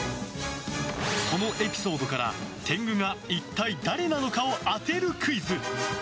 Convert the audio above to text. そのエピソードから天狗が一体誰なのかを当てるクイズ。